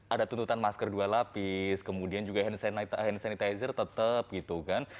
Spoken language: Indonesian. ada tuntutan masker dua lapis kemudian juga hand sanitizer tetap gitu kan